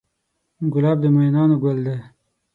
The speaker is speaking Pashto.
ګلاب د مینانو ګل دی.